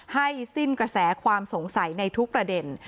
สิ้นกระแสความสงสัยในทุกประเด็น